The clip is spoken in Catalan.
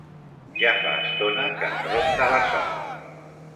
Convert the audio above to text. Ja fa estona que em ronda la son.